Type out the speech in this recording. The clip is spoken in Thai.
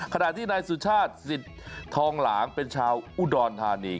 ขณะที่นายสุชาติสิทธิ์ทองหลางเป็นชาวอุดรธานี